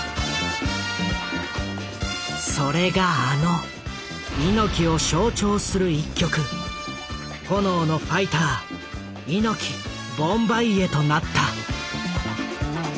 それがあの猪木を象徴する一曲「炎のファイターＩＮＯＫＩＢＯＭ−ＢＡ−ＹＥ」となった。